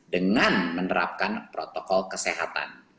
dengan menerapkan protokol kesehatan